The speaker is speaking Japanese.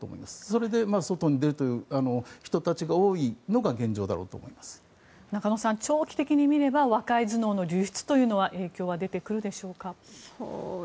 それで外に出るという人たちが多いのが中野さん、長期的に見れば若い頭脳の流出というのは影響は出てくるでしょうか。